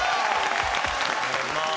お願いします。